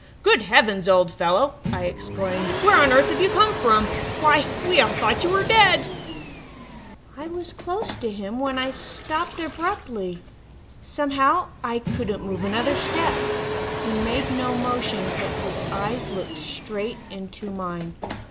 "'Good heavens, old fellow!' I exclaimed. 'Where on earth have you come from? Why, we all thought you were dead!' "I was quite close to him when I stopped abruptly. Somehow I couldn't move another step. He made no motion, but his eyes looked straight into mine.